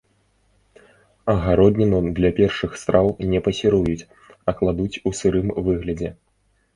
Агародніну для першых страў не пасіруюць, а кладуць у сырым выглядзе.